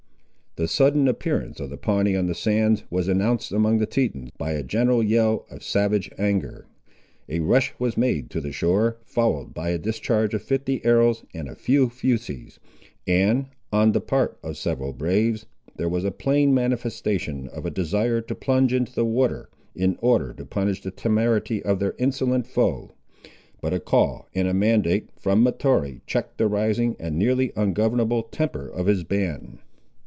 The sudden appearance of the Pawnee on the sands was announced among the Tetons, by a general yell of savage anger. A rush was made to the shore, followed by a discharge of fifty arrows and a few fusees, and, on the part of several braves, there was a plain manifestation of a desire to plunge into the water, in order to punish the temerity of their insolent foe. But a call and a mandate, from Mahtoree, checked the rising, and nearly ungovernable, temper of his band.